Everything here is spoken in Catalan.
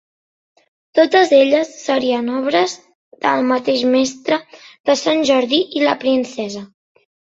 Totes elles serien obres del mateix Mestre de Sant Jordi i la princesa.